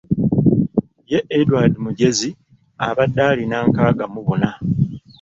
Ye Edward Mujeza abadde alina nkaaga mu buna.